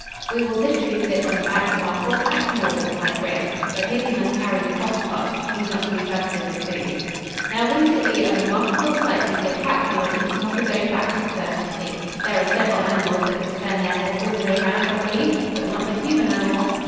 "We will distribute it on the backs of our four pack mules," replied Grace. "But Hippy must carry the coffee pot. He's not to be trusted with food." "Now, wouldn't it be a remarkable sight to see a pack mule eating off his own back!" observed Hippy. "There are several animals that can turn their heads all the way around, I believe, but not the human animal."